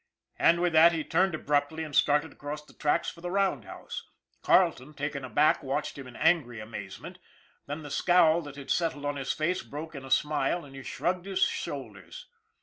And with that he turned abruptly and started across the tracks for the roundhouse. Carleton, taken aback, watched him in angry amaze ment, then the scowl that had settled on his face broke in a smile, and he shrugged his shoulders.